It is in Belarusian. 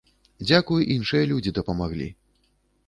Дзякуй, іншыя людзі дапамагалі!